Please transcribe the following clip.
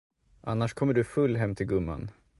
Annars kommer du full hem till gumman.